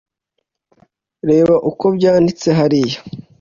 reba uko byanditse hariya